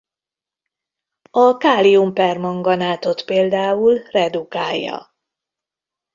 A kálium-permanganátot például redukálja.